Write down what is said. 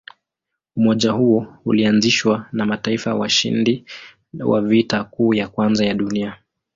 Umoja huo ulianzishwa na mataifa washindi wa Vita Kuu ya Kwanza ya Dunia.